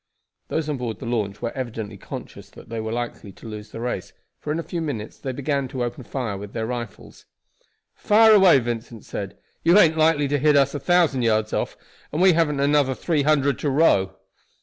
Those on board the launch were evidently conscious that they were likely to lose the race, for in a few minutes they began to open fire with their rifles. "Fire away," Vincent said. "You ain't likely to hit us a thousand yards off, and we haven't another three hundred to row."